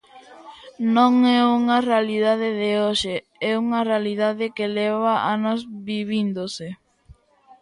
Non é unha realidade de hoxe, é unha realidade que leva anos vivíndose.